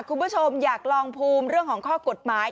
คุณผู้ชมอยากลองภูมิเรื่องของข้อกฎหมาย